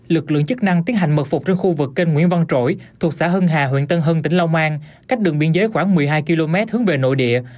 lực lượng chức năng tiến hành mật phục trên khu vực kênh nguyễn văn trỗi thuộc xã hưng hà huyện tân hưng tỉnh long an cách đường biên giới khoảng một mươi hai km hướng về nội địa